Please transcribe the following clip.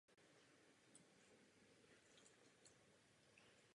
Ovšem je výrazně měkčí.